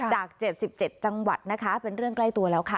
จากเจ็ดสิบเจ็ดจังหวัดนะคะเป็นเรื่องใกล้ตัวแล้วค่ะ